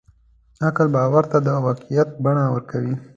عمل باور ته د واقعیت بڼه ورکوي.